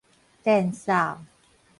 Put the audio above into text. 電掃